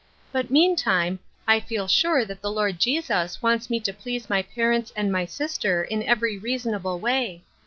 But, meantime, I feel sure that the Lord Jesus wants me to please my parents and my sister in every reasonable way.